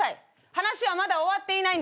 話はまだ終わっていないんです。